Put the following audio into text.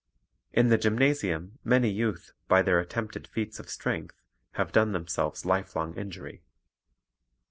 In the gymnasium many youth, by their attempted feats of strength, have done themselves lifelong injury.